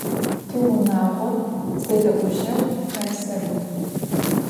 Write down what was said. Tiunağo zede'ujeu mepseu.